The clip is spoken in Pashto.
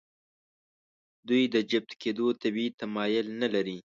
دوی د جفت کېدو طبیعي تمایل نهلري.